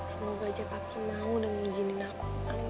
semoga aja papi mau dan izinin aku amin